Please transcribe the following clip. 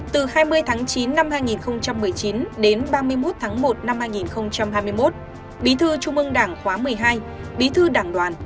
từ hai mươi tháng chín năm hai nghìn một mươi chín đến ba mươi một tháng một năm hai nghìn hai mươi một bí thư trung ương đảng khóa một mươi hai bí thư đảng đoàn